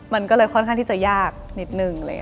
มันก็เลยค่อนข้างที่จะยากนิดนึง